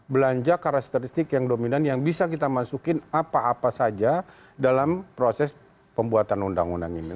belanja karakteristik yang dominan yang bisa kita masukin apa apa saja dalam proses pembuatan undang undang ini